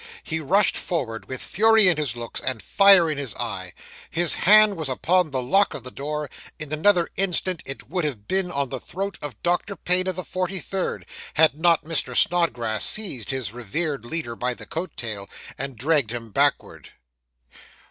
He rushed forward with fury in his looks, and fire in his eye. His hand was upon the lock of the door; in another instant it would have been on the throat of Doctor Payne of the 43rd, had not Mr. Snodgrass seized his revered leader by the coat tail, and dragged him backwards.